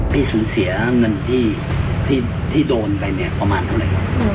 ที่สูญเสียเงินที่โดนไปเนี่ยประมาณเท่าไหร่